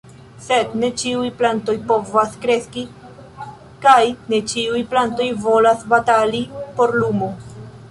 Sed ne ĉiuj plantoj povas kreski, kaj ne ĉiuj plantoj volas batali por lumo.